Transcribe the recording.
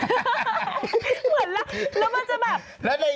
เหมือนแล้วมันจะแบบ